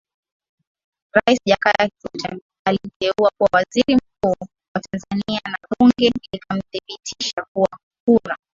Rais Jakaya Kikwete alimteua kuwa Waziri Mkuu wa Tanzania na Bunge likamthibitisha kwa kura